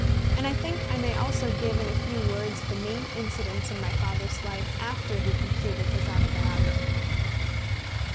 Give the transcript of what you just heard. And I think I may also give in a few words the main incidents in my father's life after he completed his autobiography.